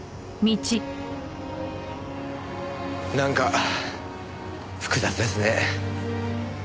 なんか複雑ですね。